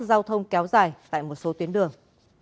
giao thông kéo dài tại một số tuyến đường